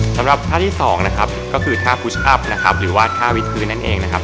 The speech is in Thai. สำหรับท่าที่สองนะครับก็คือท่าคุชอัพนะครับหรือว่าท่าวิทพื้นนั่นเองนะครับ